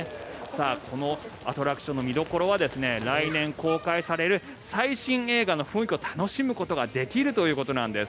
このアトラクションの見どころは来年公開される最新映画の雰囲気を楽しむことができるということなんです。